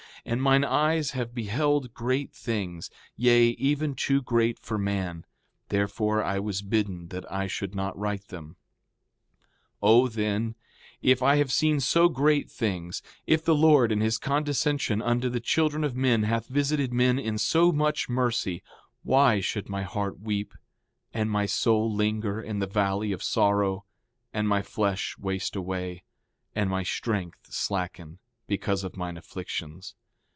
And mine eyes have beheld great things, yea, even too great for man; therefore I was bidden that I should not write them. 4:26 O then, if I have seen so great things, if the Lord in his condescension unto the children of men hath visited men in so much mercy, why should my heart weep and my soul linger in the valley of sorrow, and my flesh waste away, and my strength slacken, because of mine afflictions?